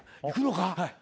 いくのか？